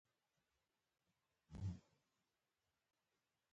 ظلم هېڅکله نه پاتې کېږي.